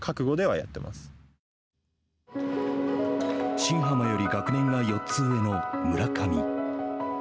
新濱より学年が４つ上の村上。